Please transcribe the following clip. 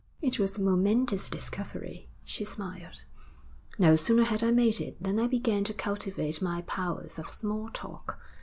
'It was a momentous discovery,' she smiled. 'No sooner had I made it than I began to cultivate my powers of small talk.